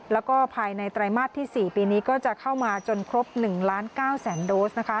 แล้วก็ภายในไตรมาสที่๔ปีนี้ก็จะเข้ามาจนครบ๑ล้าน๙แสนโดสนะคะ